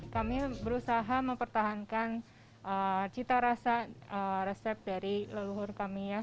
kami berusaha mempertahankan cita rasa resep dari leluhur kami ya